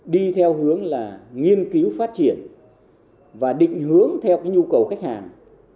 đi theo hướng là nghiên cứu phát triển và định hướng theo nhu cầu khách hàng